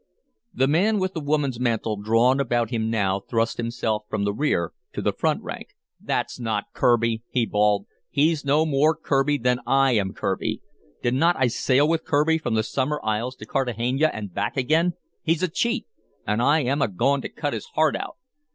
The man with the woman's mantle drawn about him now thrust himself from the rear to the front rank. "That's not Kirby!" he bawled. "He's no more Kirby than I am Kirby! Did n't I sail with Kirby from the Summer Isles to Cartagena and back again? He's a cheat, and I am agoing to cut his heart out!"